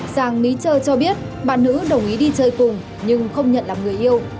giàng mý chơ cho biết bà nữ đồng ý đi chơi cùng nhưng không nhận làm người yêu